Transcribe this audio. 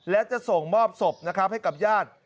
และจะส่งมอบศพนะครับให้กับญาติ